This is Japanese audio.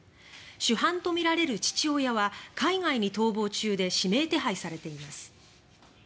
主犯とみられる父親は海外に逃亡中で指名手配されています。